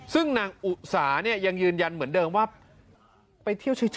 ซึ่งนางอุษายังยืนยันเหมือนเดิมว่า